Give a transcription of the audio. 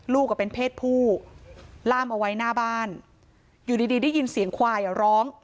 เป็นเพศผู้ล่ามเอาไว้หน้าบ้านอยู่ดีดีได้ยินเสียงควายอ่ะร้อง